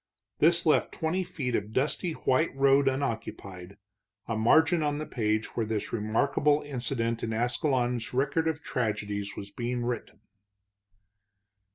This left twenty feet of dusty white road unoccupied, a margin on the page where this remarkable incident in Ascalon's record of tragedies was being written.